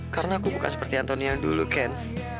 karena aku bukan seperti antoni yang dulu ken